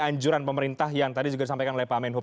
anjuran pemerintah yang tadi juga disampaikan oleh pak menhub